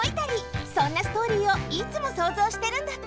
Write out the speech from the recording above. そんなストーリーをいつもそうぞうしてるんだって！